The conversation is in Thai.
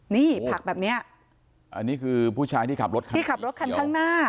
นี่ผลักแบบเนี้ยอันนี้คือผู้ชายที่ขับรถคันข้างหน้า